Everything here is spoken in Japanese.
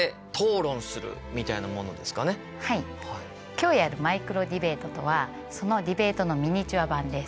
今日やるマイクロディベートとはそのディベートのミニチュア版です。